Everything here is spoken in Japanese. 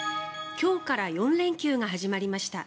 今日から４連休が始まりました。